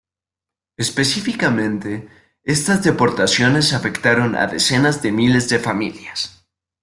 Específicamente, estas deportaciones afectaron a decenas de miles de familias.